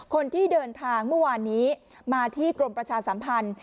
คนที่เดินทางเมื่อวานนี้มาที่กรมประชาสัมพันธ์